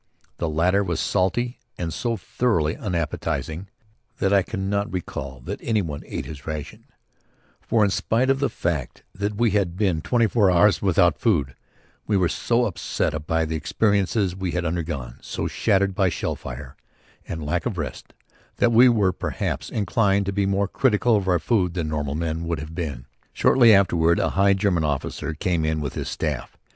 The latter was salty and so thoroughly unappetizing that I cannot recall that any one ate his ration, for in spite of the fact that we had been twenty four hours without food, we were so upset by the experiences we had undergone, so shattered by shell fire and lack of rest that we were perhaps inclined to be more critical of our food than normal men would have been. Shortly afterward a high German officer came in with his staff.